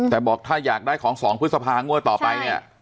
แต่บอกถ้าอยากได้ของ๒พฤษภางวดต่อไปเนี่ย